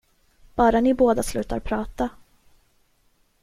Bara ni båda slutar prata.